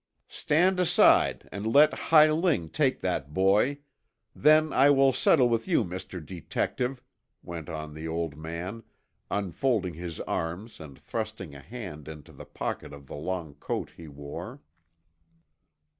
"Stand aside and let Hi Ling take that boy. Then I will settle with you, Mr. Detective," went on the old man, unfolding his arms and thrusting a hand into the pocket of the long coat he wore.